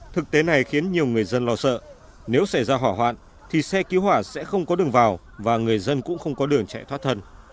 thực tế này khiến nhiều người dân lo sợ nếu xảy ra hỏa hoạn thì xe cứu hỏa sẽ không có đường vào và người dân cũng không có đường chạy thoát thân